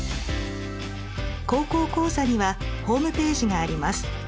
「高校講座」にはホームページがあります。